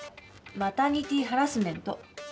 マタニティーハラスメント。